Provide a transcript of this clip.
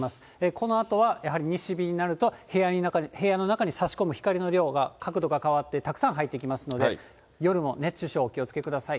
このあとはやはり西日になると、部屋の中にさし込む光の量が、角度が変わってたくさん入ってきますので、夜も熱中症、お気をつけください。